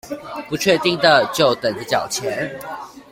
不確定的就等著繳錢